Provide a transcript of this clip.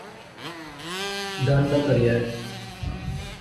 ڈنڈ نہ کریئے